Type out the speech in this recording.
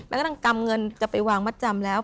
แล้วก็ต้องกำเงินจะไปวางมัดจำแล้ว